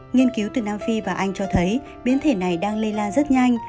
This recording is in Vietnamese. nghiên cứu từ nam phi và anh cho thấy biến thể này đang lây lan rất nhanh